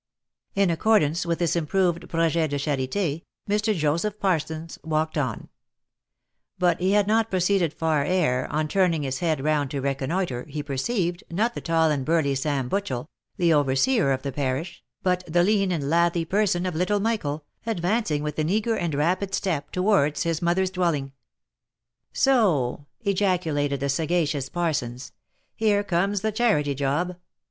In accordance with this improved projet de charite, Mr. Joseph Parsons walked on ; but he had not proceeded far ere, on turning his head round to reconnoitre, he perceived, not the tali and burly Sam Butchel, the overseer of the parish, but the lean and lathy person of little Michael, advancing with an eager and rapid step towards his mother's dwelling. "Soh!" ejaculated the sagacious Parsons, "here comes the charity job